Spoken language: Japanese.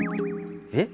えっ？